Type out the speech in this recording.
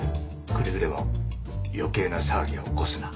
くれぐれも余計な騒ぎは起こすな。